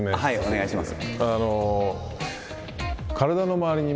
お願いします。